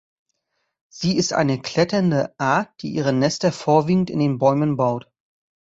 Sie ist eine kletternde Art, die ihre Nester vorwiegend in den Bäumen baut.